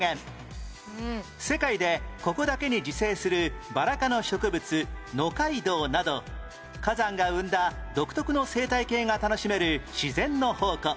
世界でここだけに自生するバラ科の植物ノカイドウなど火山が生んだ独特の生態系が楽しめる自然の宝庫